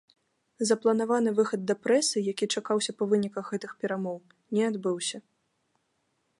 Запланаваны выхад да прэсы, які чакаўся па выніках гэтых перамоў, не адбыўся.